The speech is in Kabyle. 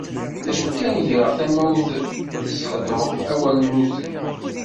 D acu kan greɣ tamawt tesxedmeḍ awalnuten.